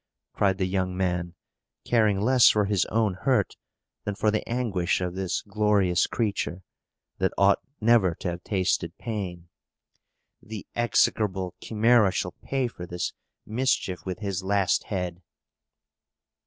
cried the young man, caring less for his own hurt than for the anguish of this glorious creature, that ought never to have tasted pain. "The execrable Chimæra shall pay for this mischief with his last head!"